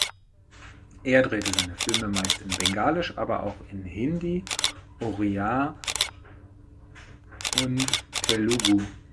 Er drehte seine Filme meist in Bengalisch, aber auch in Hindi, Oriya und Telugu.